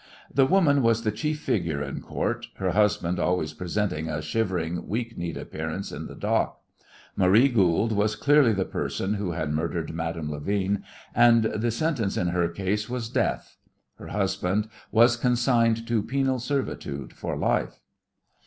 The woman was the chief figure in Court, her husband always presenting a shivering, weak kneed appearance in the dock. Marie Goold was clearly the person who had murdered Madame Levin, and the sentence in her case was death. Her husband was consigned to penal servitude for life.